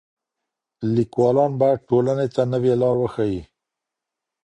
ليکوالان بايد ټولني ته نوې لار وښيي.